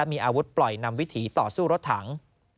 มีอาวุธปล่อยนำวิถีต่อสู้รถถัง